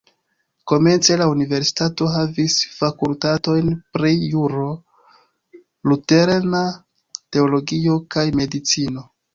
Komence la universitato havis fakultatojn pri juro, luterana teologio kaj medicino.